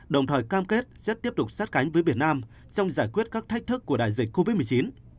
đồng thời cam kết sẽ tiếp tục sát cánh với việt nam trong giải quyết các thách thức của đại dịch covid một mươi chín